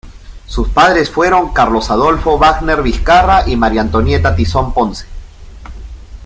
Sus padres fueron Carlos Adolfo Wagner Vizcarra y María Antonieta Tizón Ponce.